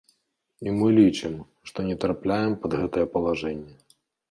І мы лічым, што не трапляем пад гэтае палажэнне.